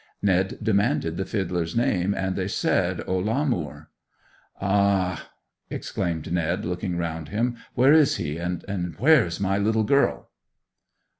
Ned demanded the fiddler's name, and they said Ollamoor. 'Ah!' exclaimed Ned, looking round him. 'Where is he, and where—where's my little girl?